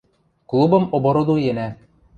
Клубым оборудуенӓ.